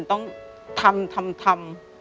ต้องทำทำทำ